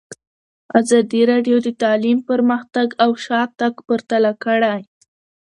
ازادي راډیو د تعلیم پرمختګ او شاتګ پرتله کړی.